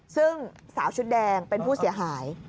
ซึ่งสาวชุดแดงเป็นผู้เสียหาย